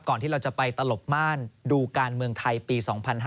ที่เราจะไปตลบม่านดูการเมืองไทยปี๒๕๕๙